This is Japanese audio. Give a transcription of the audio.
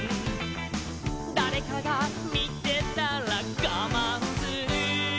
「だれかがみてたらがまんする」